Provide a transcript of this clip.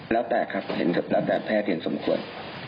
แล้วแต่ครับเห็นแล้วแต่แพทย์เห็นสมควร